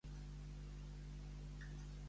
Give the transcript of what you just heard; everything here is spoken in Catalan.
Qui va resar al rei de l'Olimp?